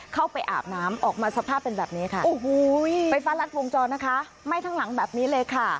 เข้าไปอาบน้ำออกมาสภาพเป็นแบบนี้ค่ะไปฟ้าลัดวงจรนะคะไหม้ทางหลังแบบนี้เลยค่ะ